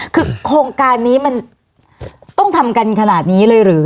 คือโครงการนี้มันต้องทำกันขนาดนี้เลยหรือ